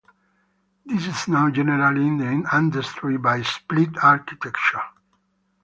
This is known generally in the industry by split architecture.